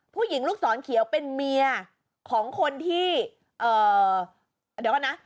ผู้หญิงลูกศรเขียวเป็นเมียของคนที่เอ่อเดี๋ยวก่อนนะ